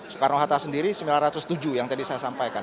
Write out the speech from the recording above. soekarno hatta sendiri sembilan ratus tujuh yang tadi saya sampaikan